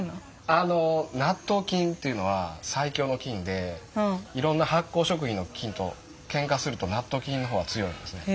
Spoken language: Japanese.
あの納豆菌っていうのは最強の菌でいろんな発酵食品の菌とけんかすると納豆菌の方が強いんですね。